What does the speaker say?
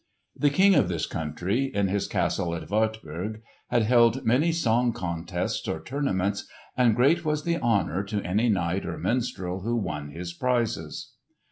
The King of this country, in his castle at Wartburg, had held many song contests or tournaments, and great was the honour to any knight or minstrel who won his prizes.